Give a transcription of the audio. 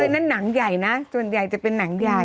นั่นนางใหญ่นะจนใหญ่จะเป็นนางใหญ่